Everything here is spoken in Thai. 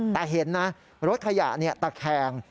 แต่เห็นนะรถขยะตะแคง